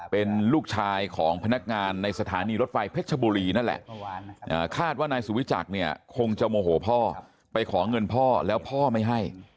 เป็นลูกชายของพนักงานในสถานีรถไฟเพชรชบุรีนั่นแหละคาดว่านายสุวิจักรเนี่ยคงจะโมโหพ่อไปขอเงินพ่อแล้วพ่อไม่ให้